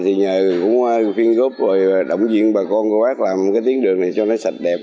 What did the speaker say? thì nhờ phiên góp và động viên bà con của bác làm tiến đường này cho nó sạch đẹp